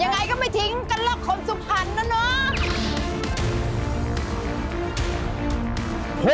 ยังไงก็ไม่ทิ้งกันหรอกคนสุพรรณนะเนาะ